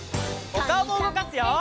おかおもうごかすよ！